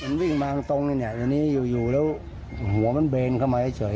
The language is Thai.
มันวิ่งมาตรงนี้อยู่แล้วหัวมันเบนเข้ามาเฉย